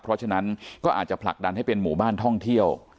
เพราะฉะนั้นก็อาจจะผลักดันให้เป็นหมู่บ้านท่องเที่ยว